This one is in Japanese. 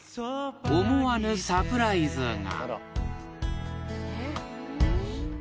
［思わぬサプライズが］